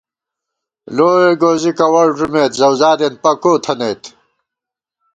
لوئے گوزی کَوَڑ ݫُمېت ، زؤزادېن پَکو تھنَئیت